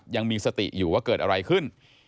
ยังมีสติอยู่ว่าเกิดอะไรขึ้น